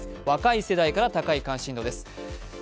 若い世代から高い関心度です。